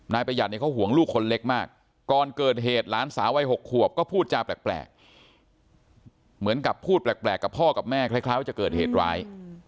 ประหยัดเนี่ยเขาห่วงลูกคนเล็กมากก่อนเกิดเหตุหลานสาววัย๖ขวบก็พูดจาแปลกเหมือนกับพูดแปลกกับพ่อกับแม่คล้ายว่าจะเกิดเหตุร้าย